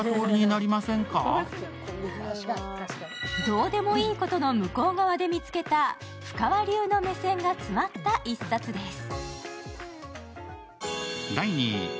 どうでもいいことの向こう側で見つけたふかわ流の目線が詰まった一冊です。